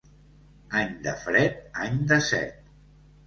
Any de fred, any de set.